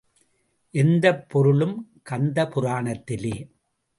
எந்தப் பொருளும் கந்த புராணத்திலே.